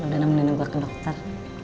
udah nama nama gue ke dokter